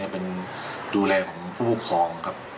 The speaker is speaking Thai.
เป็นดูแลของผู้ปกครองครับ